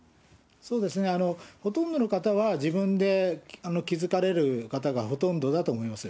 そうですね、ほとんどの方は自分で気付かれる方がほとんどだと思います。